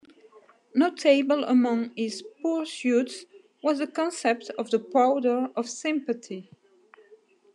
Notable among his pursuits was the concept of the powder of sympathy.